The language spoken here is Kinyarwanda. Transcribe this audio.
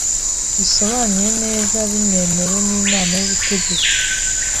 bisobanuye neza binemewe n Inama y Ubutegetsi